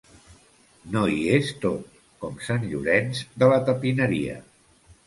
No hi és tot, com Sant Llorenç de la Tapineria.